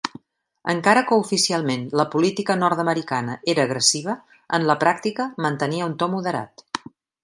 Encara que oficialment la política nord-americana era agressiva, en la pràctica mantenia un to moderat.